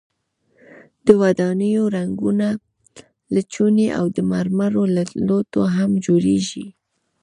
د ودانیو رنګونه له چونې او د مرمرو له لوټو هم جوړیږي.